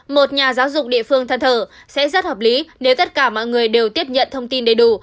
một nhà giáo dục địa phương thân thở sẽ rất hợp lý nếu tất cả mọi người đều tiếp nhận thông tin đầy đủ